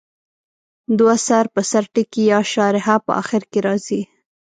دوه سر په سر ټکي یا شارحه په اخر کې راځي.